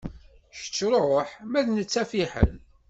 Kečč ṛuḥ ma d netta fiḥel.